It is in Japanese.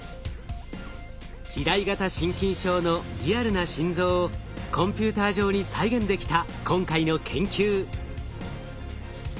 肥大型心筋症のリアルな心臓をコンピューター上に再現できた今回の研究。